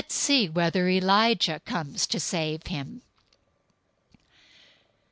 Let's see whether Elijah comes to save him."